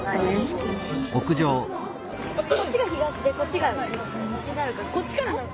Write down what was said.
こっちが東でこっちが西になるからこっちから。